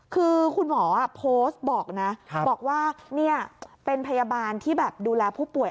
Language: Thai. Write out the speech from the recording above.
คือคุณหมอโพสต์บอกนะบอกว่าเนี่ยเป็นพยาบาลที่แบบดูแลผู้ป่วย